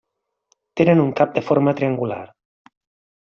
Tenen un cap de forma triangular.